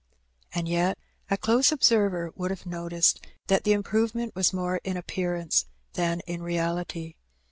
And yet a close observer would have noticed that the improvement was more in appearance than in reality.